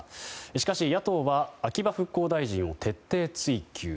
しかし、野党は秋葉復興大臣を徹底追及。